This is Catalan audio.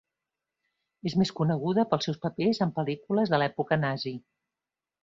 És més coneguda pels seus papers en pel·lícules de l'època nazi.